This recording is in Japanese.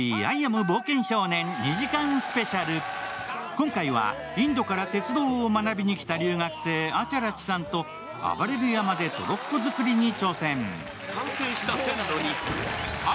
今回はインドから鉄道を学びにきた留学生・アチャラチさんとあばれる山でトロッコ作りに挑戦。